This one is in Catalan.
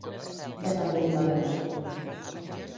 Desenvolupadors.